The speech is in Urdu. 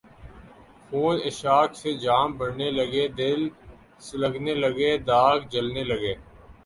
خون عشاق سے جام بھرنے لگے دل سلگنے لگے داغ جلنے لگے